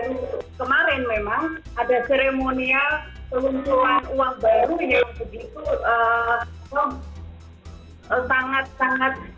tiga setua ini baru kemarin memang ada ceremonial peruntuhan uang baru yang begitu sangat sangat